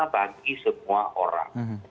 bagi semua orang